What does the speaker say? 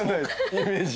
イメージ？